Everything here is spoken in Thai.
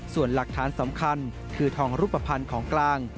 ส่วนหลักฐานสำคัญคือทองรูปภัณฑ์ของกลาง